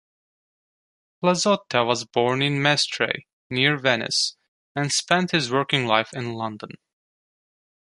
Plazzotta was born in Mestre, near Venice, and spent his working life in London.